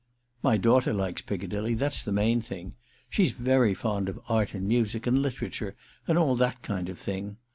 "My daughter likes Piccadilly—that's the main thing. She's very fond of art and music and literature and all that kind of thing.